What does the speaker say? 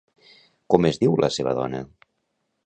Com es diu la seva dona?